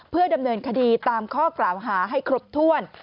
เพื่อดำเนินคดีตามข้อกล่าวหาให้ครบถ้วน